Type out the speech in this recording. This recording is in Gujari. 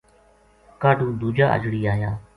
کاہڈُو دُوجا اجڑی آیا